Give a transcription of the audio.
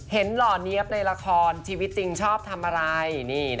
หล่อเนี๊ยบในละครชีวิตจริงชอบทำอะไร